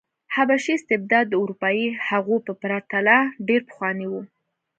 حبشي استبداد د اروپايي هغو په پرتله ډېر پخوانی و.